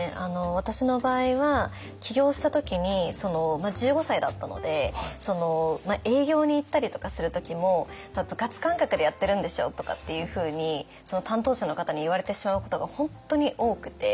私の場合は起業した時に１５歳だったので営業に行ったりとかする時も「部活感覚でやってるんでしょ？」とかっていうふうにその担当者の方に言われてしまうことが本当に多くて。